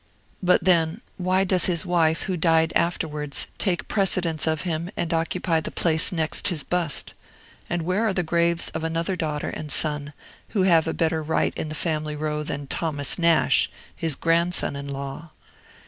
But, then, why does his wife, who died afterwards, take precedence of him and occupy the place next his bust? And where are the graves of another daughter and a son, who have a better right in the family row than Thomas Nash, his grandson in law?